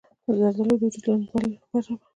زردالو د وجود لندبل برابروي.